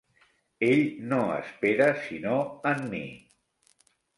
Ell no espera sinó en mi.